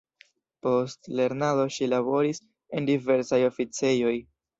Post lernado ŝi laboris en diversaj oficejoj.